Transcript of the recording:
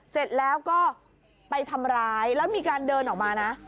เสร็จแล้วก็ไปทำร้ายแล้วมีการเดินออกมานะ